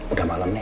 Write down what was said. udah malam nih